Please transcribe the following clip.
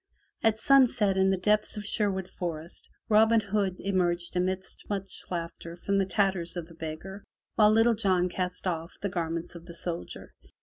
At sunset in the depths of Sherwood Forest, Robin Hood emerged amidst much laugher from the tatters of the beggar, while Little John cast off the garments of the soldier.